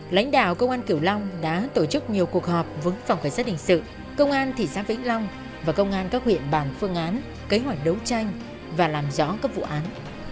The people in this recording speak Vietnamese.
lãnh đạo công an kiểu long đã tổ chức nhiều cuộc họp với phòng cảnh sát hình sự công an thị xã vĩnh long và công an các huyện bàn phương án kế hoạch đấu tranh và làm rõ các vụ án